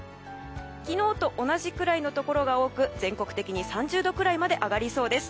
昨日と同じくらいのところが多く全国的に３０度くらいまで上がりそうです。